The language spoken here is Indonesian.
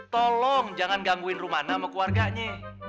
tolong jangan gangguin rumana sama keluarganya